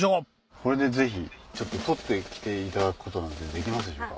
これでぜひ撮って来ていただくことなんてできますでしょうか？